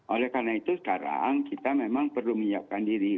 oleh karena itu sekarang kita memang perlu menyiapkan diri